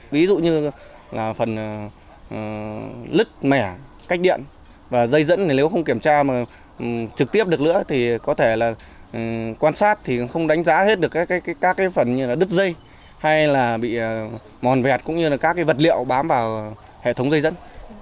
ví dụ như là phần lứt mẻ cách điện và dây dẫn thì nếu không kiểm tra mà trực tiếp được nữa thì có thể là quan sát thì cũng không đánh giá hết được các cái phần như là đứt dây hay là bị mòn vẹt cũng như là các vật liệu bám vào hệ thống dây dẫn